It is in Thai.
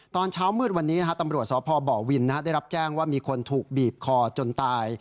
ตอนเช้ามืดวันนี้ตำรวจสพบวินได้รับแจ้งว่ามีคนถูกบีบคอจนตาย